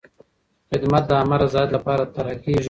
خدمت د عامه رضایت لپاره طرحه کېږي.